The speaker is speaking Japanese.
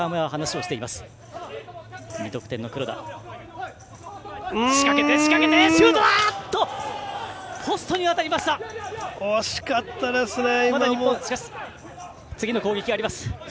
惜しかったですね！